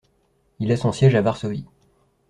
Il a son siège à Varsovie.